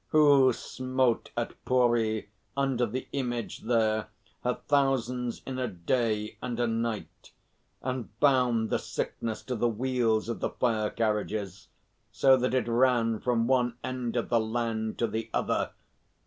Who smote at Pooree, under the Image there, her thousands in a day and a night, and bound the sickness to the wheels of the fire carriages, so that it ran from one end of the land to the other?